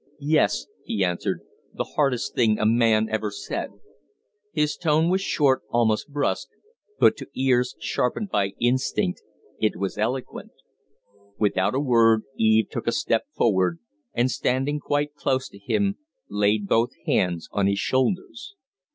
"Yes," he answered, "the hardest thing a man ever said " His tone was short, almost brusque, but to ears sharpened by instinct it was eloquent. Without a word Eve took a step forward, and, standing quite close to him, laid both hands on his shoulders.